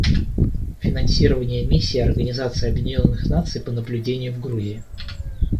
Финансирование Миссии Организации Объединенных Наций по наблюдению в Грузии.